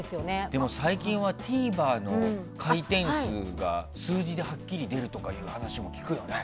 でも最近はＴＶｅｒの回転数が数字ではっきり出るって話も聞くよね。